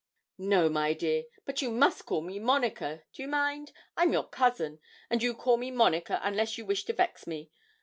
'No, my dear, but you must call me Monica do you mind I'm your cousin, and you call me Monica, unless you wish to vex me.